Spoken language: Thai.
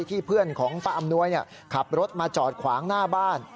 เพื่อนของป้าอำนวยขับรถมาจอดขวางหน้าบ้าน